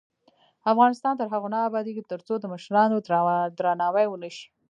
افغانستان تر هغو نه ابادیږي، ترڅو د مشرانو درناوی ونشي.